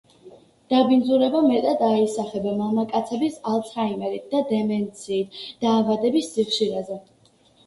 დაბინძურება მეტად აისახება მამაკაცების ალცჰაიმერით და დემენციით დაავადების სიხშირეზე.